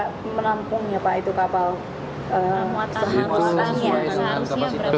apa muatan muatan yang terlalu banyak